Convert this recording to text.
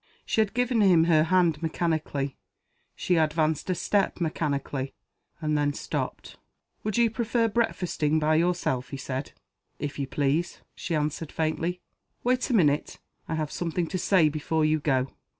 She had given him her hand mechanically; she advanced a step mechanically and then stopped. "Would you prefer breakfasting by yourself?" he said. "If you please," she answered, faintly. "Wait a minute. I have something to say before you go."